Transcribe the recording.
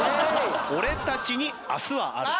『俺たちに明日はある』。